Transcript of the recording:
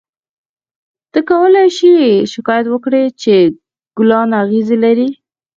ته کولای شې شکایت وکړې چې ګلان اغزي لري.